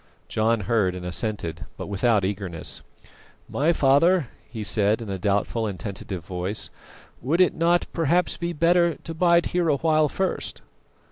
John heard and assented, but without eagerness. "My father," he said, in a doubtful and tentative voice, "would it not perhaps be better to bide here awhile first?"